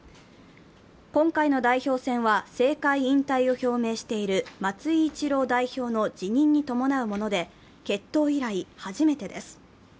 今回の代表戦は政界引退を表明している松井一郎代表の辞任に伴うもので、結党以来初めてです。